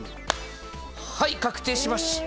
はい、確定しました！